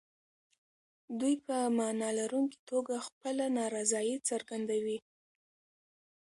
دوی په معنا لرونکي توګه خپله نارضايي څرګندوي.